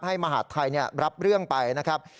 มหาดไทยรับเรื่องไปนะครับ